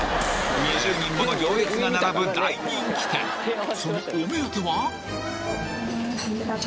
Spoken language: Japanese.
２０人もの行列が並ぶ大人気店そのお目当ては？